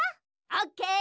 オッケー。